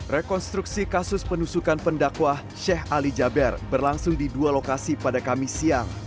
rekonstruksi kasus penusukan pendakwah sheikh ali jaber berlangsung di dua lokasi pada kamis siang